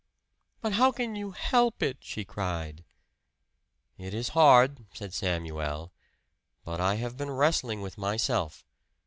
"But how can you help it?" she cried. "It is hard," said Samuel; "but I have been wrestling with myself.